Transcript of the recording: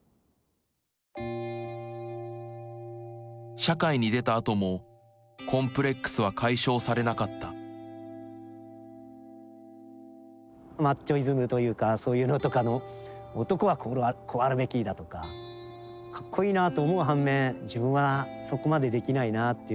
社会に出たあともコンプレックスは解消されなかったマッチョイズムというかそういうのとかの「男はこうあるべき」だとかかっこいいなと思う反面自分はそこまでできないなあっていう